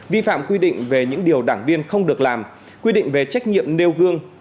vi phạm quy định về những điều đảng viên không được làm quy định về trách nhiệm nêu gương